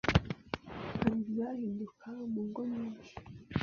hari ibyahinduka mungo nyinshi ,